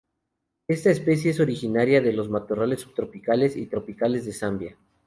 Esta especie es originaria de los matorrales subtropicales y tropicales de Zambia.